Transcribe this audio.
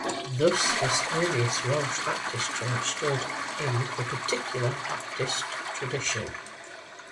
Thus this earliest Welsh Baptist church stood in the Particular Baptist tradition.